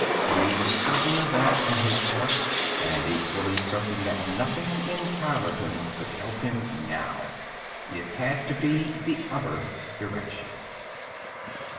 He was certain of that in his heart and equally certain that nothing in Tylerton could help him now. It had to be the other direction.